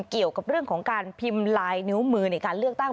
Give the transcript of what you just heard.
เกี่ยวกับเรื่องของการพิมพ์ลายนิ้วมือในการเลือกตั้ง